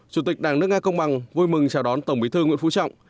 chủ tịch đảng nước nga công bằng vui mừng chào đón tổng bí thư nguyễn phú trọng